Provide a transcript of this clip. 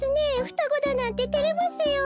ふたごだなんててれますよ。